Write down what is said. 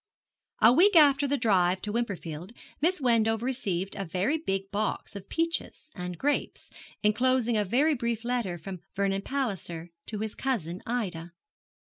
A week after the drive to Wimperfield Miss Wendover received a very big box of peaches and grapes, enclosing a very brief letter from Vernon Palliser to his cousin Ida.